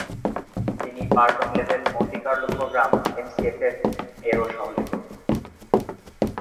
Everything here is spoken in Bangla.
তিনি পার্টন-লেভেল মন্টি কার্লো প্রোগ্রাম এমসিএফএম-এরও সহ-লেখক।